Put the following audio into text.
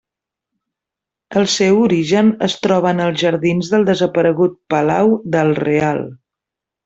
El seu origen es troba en els jardins del desaparegut palau del Real.